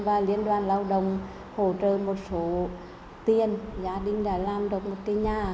và liên đoàn lao động hỗ trợ một số tiền gia đình đã làm được một cái nhà